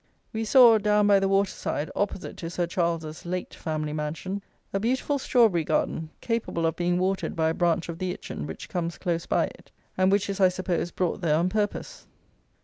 We saw, down by the water side, opposite to "Sir Charles's" late family mansion, a beautiful strawberry garden, capable of being watered by a branch of the Itchen which comes close by it, and which is, I suppose, brought there on purpose.